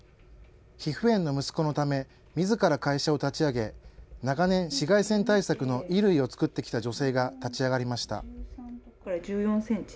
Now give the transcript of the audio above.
皮膚炎の息子のため、みずから会社を立ち上げ、長年、紫外線対策の衣類を作ってきた女性が立ち上がりました。